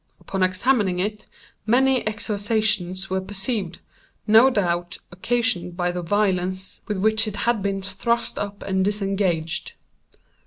Upon examining it, many excoriations were perceived, no doubt occasioned by the violence with which it had been thrust up and disengaged.